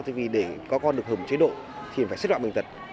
tại vì để các con được hợp chế độ thì phải xếp loại bệnh tật